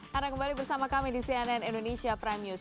karena kembali bersama kami di cnn indonesia prime news